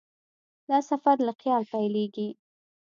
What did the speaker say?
دا سفر له خیال پیلېږي.